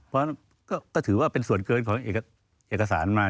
เพราะก็ถือว่าเป็นส่วนเกินของเอกสารมา